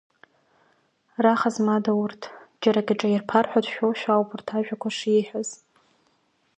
Раха змада урҭ, џьара акы иҿаирԥар ҳәа дшәошәа ауп урҭ ажәақәа шиҳәаз…